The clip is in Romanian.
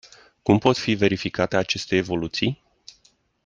Cum pot fi verificate aceste evoluții?